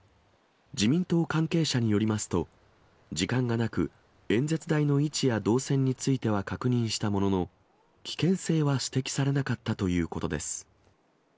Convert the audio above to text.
自民党関係者によりますと、時間がなく、演説台の位置や動線については確認したものの、危険性は指摘されなかったということです。